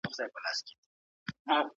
ایا تکړه پلورونکي کیشمیش اخلي؟